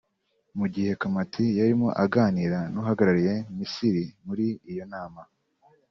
mu gihe Khamati yarimo aganira n’uhagarariye Misiri muri iyo nama